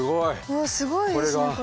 わあすごいですねこれ。